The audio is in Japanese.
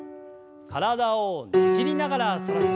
体をねじりながら反らせて。